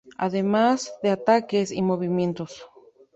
Además de ataques y movimientos.